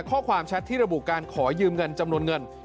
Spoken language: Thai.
แชทที่ระบุการขอยืมเงินจำนวนเงิน